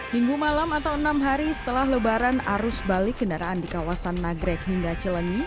minggu malam atau enam hari setelah lebaran arus balik kendaraan di kawasan nagrek hingga cileni